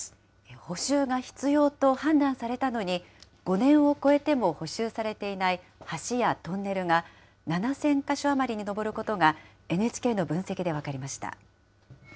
補修が必要と判断されたのに、５年を超えても補修されていない橋やトンネルが、７０００か所余りに上ることが、ＮＨＫの分析で分かりました。